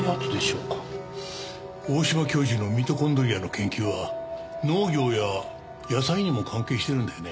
大島教授のミトコンドリアの研究は農業や野菜にも関係しているんだよね？